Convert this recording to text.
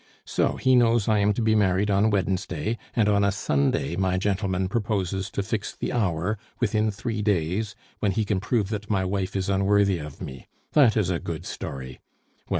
So he knows I am to be married on Wednesday, and on a Sunday my gentleman proposes to fix the hour, within three days, when he can prove that my wife is unworthy of me. That is a good story!